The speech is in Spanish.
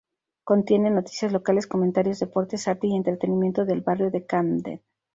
Contiene noticia locales, comentarios, deportes, arte y entretenimiento del barrio de Camden.